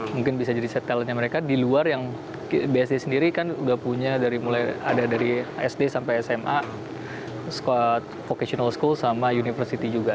mungkin bisa jadi set talentnya mereka di luar yang bsd sendiri kan udah punya dari mulai ada dari sd sampai sma squad vocational school sama university juga